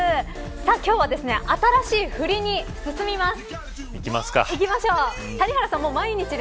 今日は新しい振りを含みます。